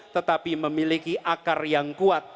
tetapi memiliki akar yang kuat